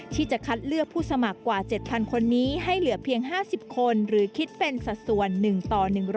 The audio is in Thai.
ที่จะคัดเลือกผู้สมัครกว่า๗๐๐คนนี้ให้เหลือเพียง๕๐คนหรือคิดเป็นสัดส่วน๑ต่อ๑๐๐